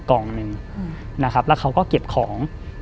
กล่องหนึ่งนะครับแล้วเขาก็เก็บของ